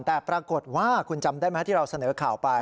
แต่ปรากฏว่าคุณจำได้ไหมที่เราเสนอข่าวไป